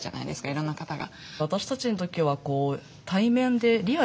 いろんな方が。